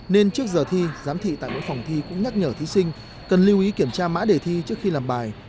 nên trước giờ thi giám thị tại mỗi phòng thi cũng nhắc nhở thí sinh cần lưu ý kiểm tra mã đề thi trước khi làm bài